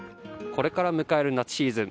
これから迎える夏シーズン。